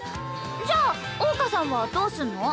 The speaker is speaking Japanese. じゃあ桜花さんはどうすんの？